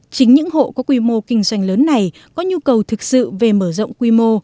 chính những hộ có quy mô kinh doanh lớn này có nhu cầu thực sự về mở rộng quy mô